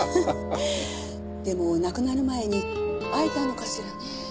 でも亡くなる前に会えたのかしらねえ。